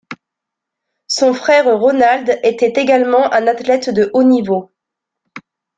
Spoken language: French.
Son frère Ronald était également un athlète de haut niveau.